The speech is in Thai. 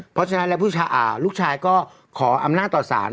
เพราะฉะนั้นแล้วลูกชายก็ขออำนาจต่อสาร